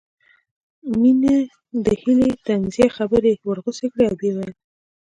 مينې د هيلې طنزيه خبرې ورغوڅې کړې او ويې ويل